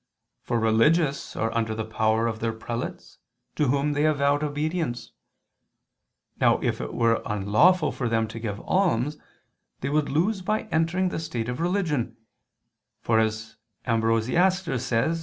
For religious are under the power of their prelates to whom they have vowed obedience. Now if it were unlawful for them to give alms, they would lose by entering the state of religion, for as Ambrose [*The quotation is from the works of Ambrosiaster.